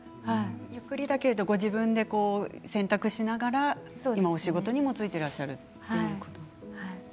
ゆっくりだけどご自分で選択しながら今お仕事にもついていらっしゃるということですね。